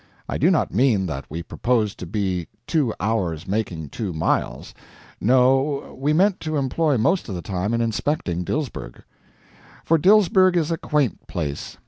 I do not mean that we proposed to be two hours making two miles no, we meant to employ most of the time in inspecting Dilsberg. For Dilsberg is a quaint place.